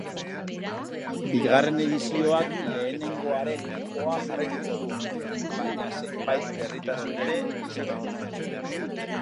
Bigarren edizioak lehenengoaren ildoa jarraituko du, baina zeinbait berritasun ere izango ditu.